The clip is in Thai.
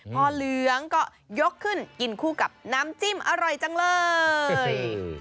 พอเหลืองก็ยกขึ้นกินคู่กับน้ำจิ้มอร่อยจังเลย